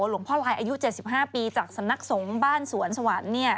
หลวงพ่อลายอายุ๗๕ปีจากสนักสงบ้านสวรรค์สวรรค์นี่